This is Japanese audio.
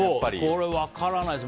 これ、分からないです。